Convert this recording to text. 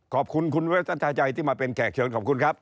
ขอบคุณคุณเวฟท่านทาใจที่มาเป็นแขกเชิญขอบคุณครับ